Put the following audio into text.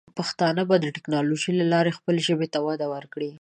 پښتانه به د ټیکنالوجۍ له لارې د خپلې ژبې ته وده ورکړي.